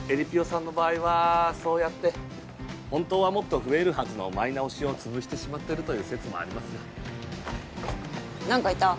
さんの場合はそうやって本当はもっと増えるはずの舞菜推しを潰してしまっているという説もありますが何か言った？